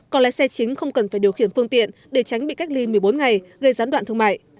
còn lái xe chính không cần phải điều khiển phương tiện để tránh bị cách ly một mươi bốn ngày gây gián đoạn thương mại